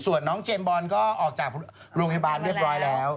ส่วนน้องเจมส์บอลก็ออกจากโรงพยาบาลเรียบร้อยแล้ว